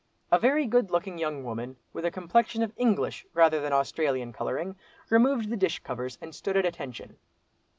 A very good looking young woman, with a complexion of English, rather than Australian colouring, removed the dish covers, and stood at attention.